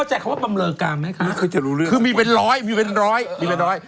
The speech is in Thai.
ไม่เคยจะรู้เรื่องนั้นหรอกคือมีเป็นร้อยมีเป็นร้อย